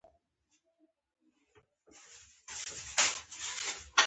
غوږونه د نصیحتونو حافظه لري